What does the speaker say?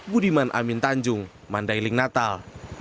budiman amin tanjung mandailing natal